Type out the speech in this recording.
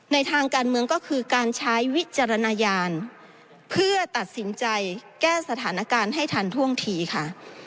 ทางการเมืองก็คือการใช้วิจารณญาณเพื่อตัดสินใจแก้สถานการณ์ให้ทันท่วงทีค่ะ